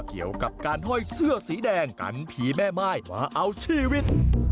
เกี่ยวกับการห้อยเสื้อสีแดงกันผีแม่ม่ายมาเอาชีวิต